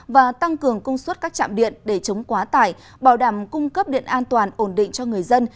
và tăng cường công suất các chạm điện để chống quá tải bảo đảm cung cấp điện an toàn ổn định cho người dân